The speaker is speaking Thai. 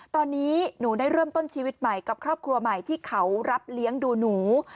ตอนนี้หนูได้เริ่มต้นชีวิตใหม่กับครอบครัวใหม่ที่เขารับเลี้ยงดูหนู